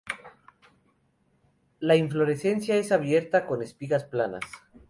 La inflorescencia es abierta con espigas planas.